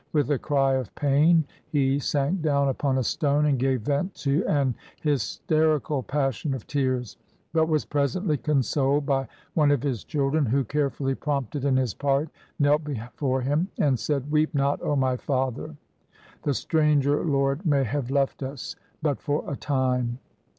With a cry of pain he sank down upon a stone, and gave vent to an hysterical passion of tears; but was presently consoled by one of his children, who, carefully prompted in his part, knelt before him and said: "Weep not, O my father! The stranger lord may have left us but for a time."